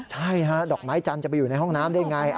ใช่ฮะดอกไม้จันทร์จะไปอยู่ในห้องน้ำได้ไง